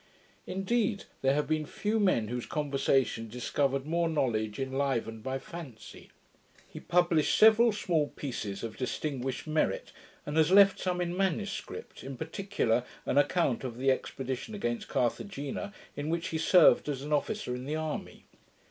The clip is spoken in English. Indeed, there have been few men whose conversation discovered more knowledge enlivened by fancy. He published several small pieces of distinguished merit; and has left some in manuscript, in particular an account of the expedition against Carthagena, in which he served as an officer in the army.